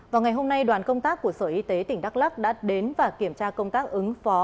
vào ngày hôm nay đoàn công tác của sở y tế tỉnh đắk lắc đã đến và kiểm tra công tác ứng phó